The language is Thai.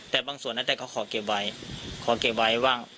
แต่บางส่วนนะแต่เขาขอเก็บไว้ขอเก็บไว้บ้าง